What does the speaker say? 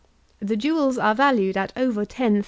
The jewels are valued at over £10,000.